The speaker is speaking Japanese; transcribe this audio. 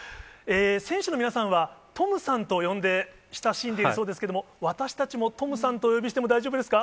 選手の皆さんは、トムさんと呼んで親しんでいるそうですけれども、私たちもトムさんとお呼びしても大丈夫ですか？